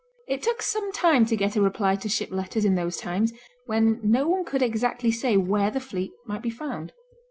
It took some time to get a reply to ship letters in those times when no one could exactly say where the fleet might be found.